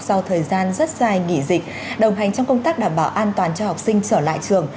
sau thời gian rất dài nghỉ dịch đồng hành trong công tác đảm bảo an toàn cho học sinh trở lại trường